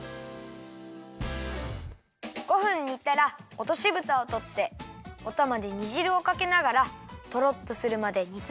５分煮たらおとしぶたをとっておたまで煮じるをかけながらとろっとするまで煮つめるよ。